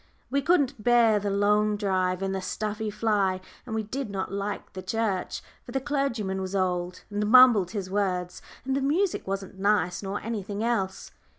We couldn't bear the long drive in the stuffy fly, and we did not like the church, for the clergyman was old, and mumbled his words, and the music wasn't nice nor anything else.